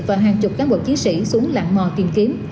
và hàng chục cán bộ chiến sĩ xuống lạng mò kiểm kiếm